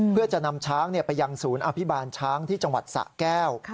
เพื่อจะนำช้างไปยังศูนย์อภิบาลช้างที่จังหวัดสะแก้ว